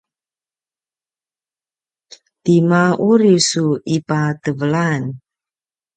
tima uri su ipatevelan?